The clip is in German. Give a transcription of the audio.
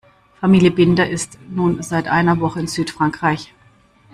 Familie Binder ist nun seit einer Woche in Südfrankreich.